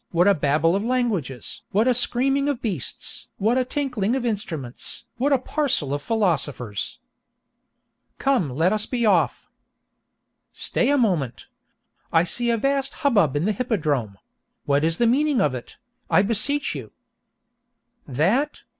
what a Babel of languages! what a screaming of beasts! what a tinkling of instruments! what a parcel of philosophers!" Come let us be off. "Stay a moment! I see a vast hubbub in the hippodrome; what is the meaning of it, I beseech you?" That?